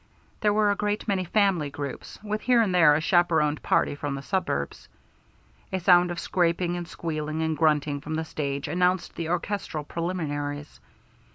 There were a great many family groups, with here and there a chaperoned party from the suburbs. A sound of scraping and squealing and grunting from the stage announced the orchestral preliminaries.